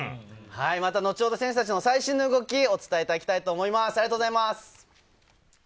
後ほど選手たちの最新の動きをお伝えいただきたいと思います。